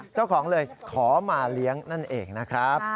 เจ้าของเลยขอมาเลี้ยงนั่นเองนะครับ